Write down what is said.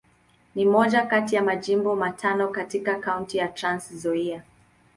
Ni moja kati ya Majimbo matano katika Kaunti ya Trans-Nzoia.